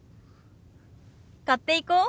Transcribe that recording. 買っていこう。